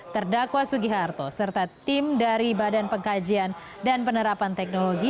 terdakwa sugiharto serta tim dari badan pengkajian dan penerapan teknologi